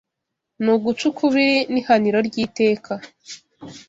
ni uguca ukubiri n’ihaniro ry’iteka